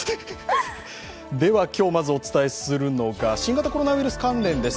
今日、まずお伝えするのが新型コロナウイルス関連です。